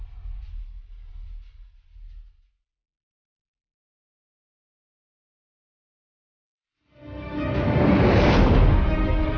jurus angin lengan seribu